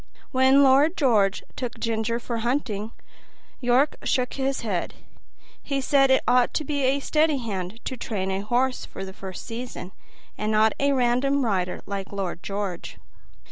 When Lord George took Ginger for hunting, York shook his head; he said it ought to be a steady hand to train a horse for the first season, and not a random rider like Lord George.